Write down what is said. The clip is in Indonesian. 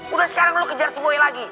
udah sekarang lu kejar semuanya lagi